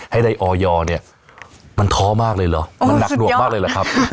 ให้ได้ออยเนี่ยมันท้อมากเลยเหรอมันหนักหนวกมากเลยเหรอครับ